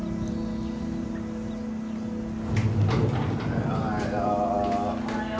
おはよう。